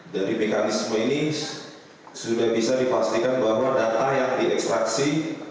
dari mekanisme ini sudah bisa dipastikan bahwa data yang diekstraksi